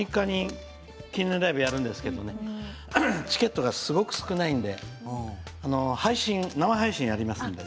ライブをやりますけれどチケットがすごく少ないので生配信をやります。